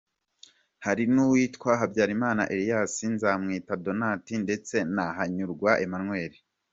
Hari n’uwitwa Habyarimana Elias, Nzamwitakuze Donat ndetse na Hanyurwabake Emmanuel.